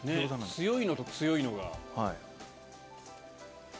強いのと強いのが。